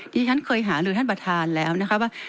ที่ฉันเคยหารือท่านประธานแล้วนะคะว่า